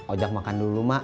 ojak makan dulu mak